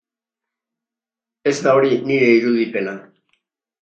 Ez da hori nire irudipena.